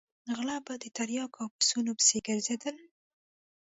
غله به د تریاکو او پسونو پسې ګرځېدل.